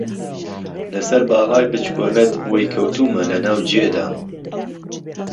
له سهر باڵای بچکۆلهت وهی کهوتوومه له ناو جێدام